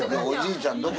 おじいちゃん